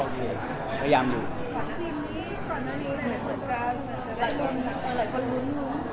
พยายามให้หนู